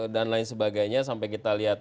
dan lain sebagainya sampai kita lihat